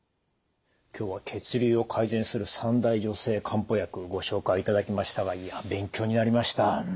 今日は血流を改善する三大女性漢方薬ご紹介いただきましたがいや勉強になりました。